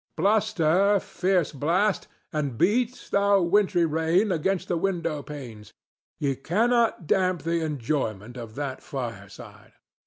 —Bluster, fierce blast, and beat, thou wintry rain, against the window panes! Ye cannot damp the enjoyment of that fireside.